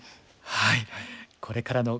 はい。